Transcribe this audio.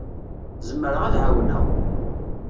Zemreɣ ad d-ɛawneɣ.